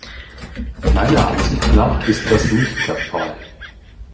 Meiner Ansicht nach ist das nicht der Fall.